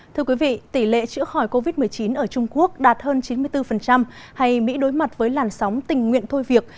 thưa quý vị tỷ lệ chữa khỏi covid một mươi chín ở trung quốc đạt hơn chín mươi bốn hay mỹ đối mặt với làn sóng tình nguyện thôi việc